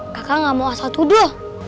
kakak gak mau asal tuduh